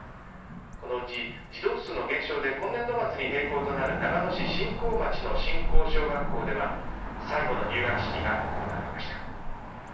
このうち、児童数の減少で今年度末に閉校となる長野市信更町の信更小学校では最後の入学式が行われました。